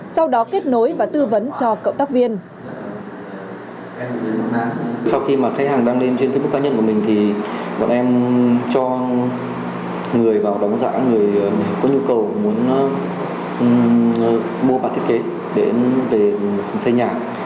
sau đó kết nối và tư vấn cho cộng tác viên